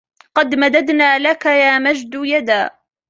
قد مددنا لك يا مجد يدا